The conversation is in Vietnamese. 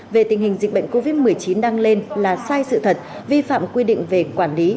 về tình hình dịch bệnh covid một mươi chín đang lên là sai sự thật vi phạm quy định về quản lý